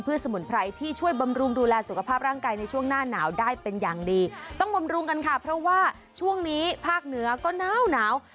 ต้องบำรุงกันค่ะเพราะว่าช่วงนี้ภาคเหนือก็น้าว